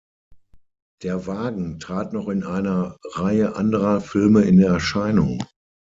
Der Wagen trat noch in einer Reihe anderer Filme in Erscheinung.